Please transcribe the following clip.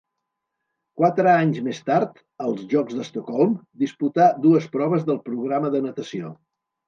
Quatre anys més tard, als Jocs d'Estocolm, disputà dues proves del programa de natació.